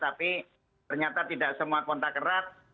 tapi ternyata tidak semua kontak erat